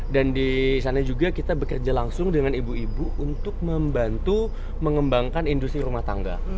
dan di sana juga kita bekerja langsung dengan ibu ibu untuk membantu mengembangkan industri rumah tangga